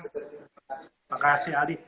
terima kasih adi